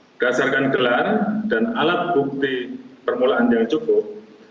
berdasarkan gelar dan alat bukti permulaan yang cukup